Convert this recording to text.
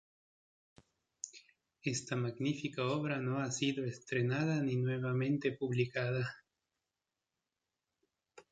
Esta magnífica obra no ha sido estrenada ni nuevamente publicada.